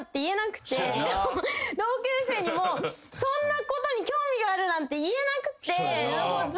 同級生にもそんなことに興味があるなんて言えなくて。